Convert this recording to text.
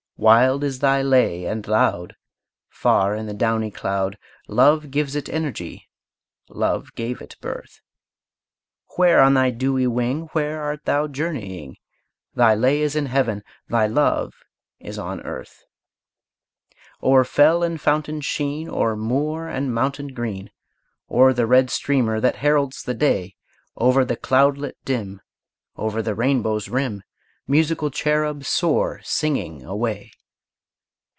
Wild is thy lay, and loud, Far in the downy cloud, Love gives it energy; love gave it birth. Where, on thy dewy wing Where art thou journeying? Thy lay is in heaven; thy love is on earth. O'er fell and fountain sheen, O'er moor and mountain green, O'er the red streamer that heralds the day; Over the cloudlet dim, Over the rainbow's rim, Musical cherub, soar, singing, away!